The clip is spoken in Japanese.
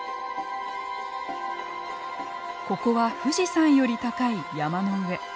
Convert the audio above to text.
ここは富士山より高い山の上。